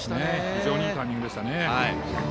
非常にいいタイミングでした。